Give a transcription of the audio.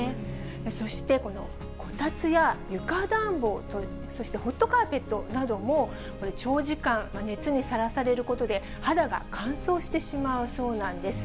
そしてこたつや床暖房、そしてホットカーペットなども、これ、長時間、熱にさらされることで肌が乾燥してしまうそうなんです。